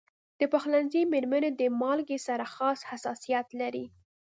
د پخلنځي میرمنې د مالګې سره خاص حساسیت لري.